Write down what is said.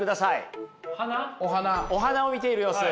お花を見ている様子。